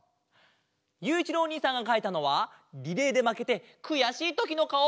ゆういちろうおにいさんがかいたのはリレーでまけてくやしいときのかお。